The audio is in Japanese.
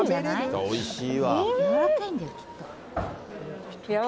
おいしいわ。